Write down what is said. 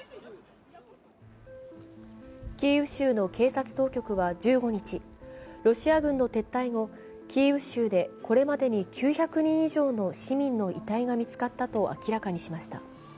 キーウ州の警察当局は１５日、ロシア軍の撤退後、キーウ州でこれまでに９００人以上の市民の遺体が見つかったと明らかにしました。